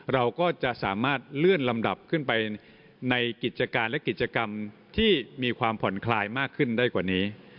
เราก็จะสามารถเลื่อนลำดับขึ้นไปในกิจการและกิจกรรมที่มีความผ่อนคลายมากขึ้นได้กว่านี้